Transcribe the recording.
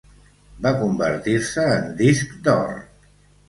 Va convertir-se en Disc d'Or.